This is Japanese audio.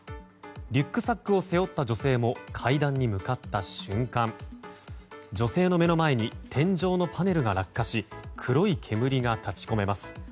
リュックサックを背負った女性も階段に向かった瞬間女性の目の前に天井のパネルが落下し黒い煙が立ち込めます。